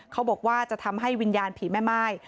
เขาบอกว่าจะทำให้วิญญาณผีแม่ม่าย